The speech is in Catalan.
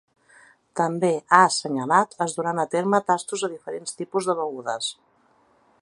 També, ha assenyalat, es duran a terme tastos de diferents tipus de begudes.